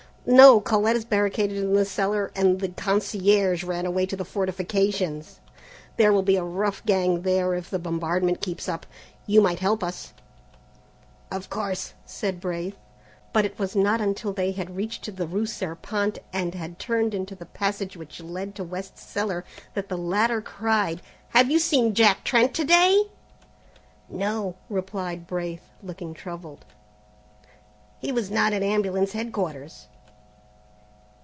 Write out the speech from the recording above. "No. Colette is barricaded in the cellar, and the concierge ran away to the fortifications. There will be a rough gang there if the bombardment keeps up. You might help us " "Of course," said Braith; but it was not until they had reached the rue Serpente and had turned in the passage which led to West's cellar, that the latter cried: "Have you seen Jack Trent, to day?" "No," replied Braith, looking troubled, "he was not at Ambulance Headquarters."